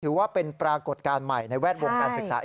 ถือว่าเป็นปรากฏการณ์ใหม่ในแวดวงการศึกษา